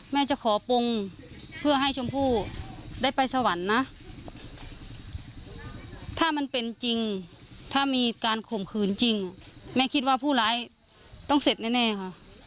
แม่จะขอปงเพื่อให้ชมพู่ได้ไปสวรรค์นะถ้ามันเป็นจริงถ้ามีการข่มขืนจริงแม่คิดว่าผู้ร้ายต้องเสร็จแน่ค่ะ